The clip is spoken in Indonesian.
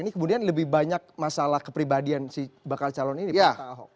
ini kemudian lebih banyak masalah kepribadian si bakal calon ini pak ahok